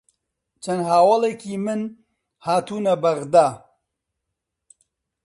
چەند هەواڵێکی من هاتوونە بەغدا